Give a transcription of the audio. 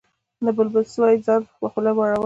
نه بلبل سوای ځان پخپله مړولای